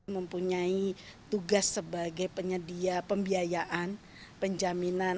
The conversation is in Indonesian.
mempunyai tugas sebagai penyedia pembiayaan penjaminan